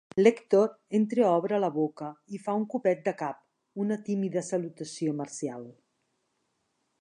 L'Èctor entreobre la boca i fa un copet de cap, una tímida salutació marcial.